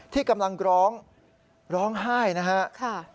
ที่กำลังร้องร้องไห้นะครับ